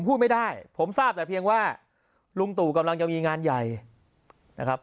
พูดไม่ได้ผมทราบแต่เพียงว่าลุงตู่กำลังจะมีงานใหญ่นะครับ